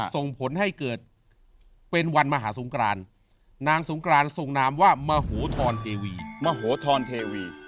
ส่งผลให้เกิดเป็นวันมหาสงกรานนางสงกรานส่งนามว่ามโหทรณ์เทวี